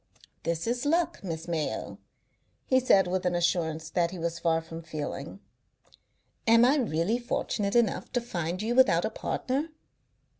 "This is luck, Miss Mayo," he said, with an assurance that he was far from feeling. "Am I really fortunate enough to find you without a partner?"